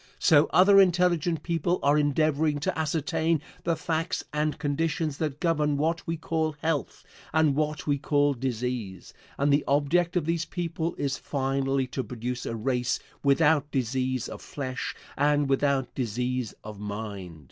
So other intelligent people are endeavoring to ascertain the facts and conditions that govern what we call health, and what we call disease, and the object of these people is finally to produce a race without disease of flesh and without disease of mind.